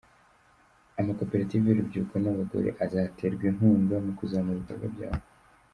Amakoperative y’urubyiruko n’abagore azaterwa inkunga mu kuzamura ibikorwa byabo.